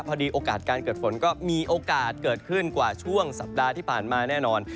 โอกาสการเกิดฝนก็มีโอกาสเกิดขึ้นกว่าช่วงสัปดาห์ที่ผ่านมาแน่นอน